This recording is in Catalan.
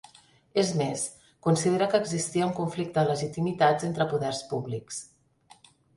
És més, considera que existia un conflicte de legitimitats entre poders públics.